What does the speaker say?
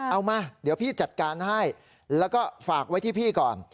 เอามาเดี๋ยวพี่จัดการให้แล้วก็ฝากไว้ที่พี่ก่อน